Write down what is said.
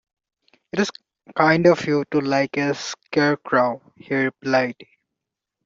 "It is kind of you to like a Scarecrow," he replied.